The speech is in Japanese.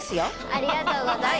ありがとうございます。